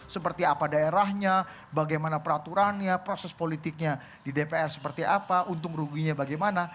seperti apa daerahnya bagaimana peraturannya proses politiknya di dpr seperti apa untung ruginya bagaimana